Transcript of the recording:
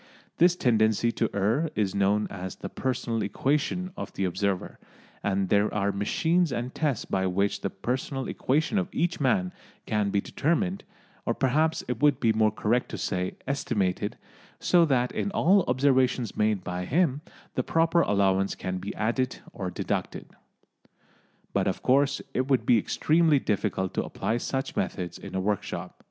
This tendency to err is known as the "personal equation" of the observer, and there are machines and tests by which the personal equation of each man can be determined, or perhaps it would be more correct to say estimated, so that in all observations made by him the proper allowance can be added or deducted. But of course it would be extremely difficult to apply such methods in a workshop.